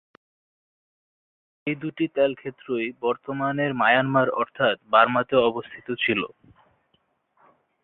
এ দুটি তেলক্ষেত্রই বর্তমানের মায়ানমার অর্থাৎ বার্মাতে অবস্থিত ছিল।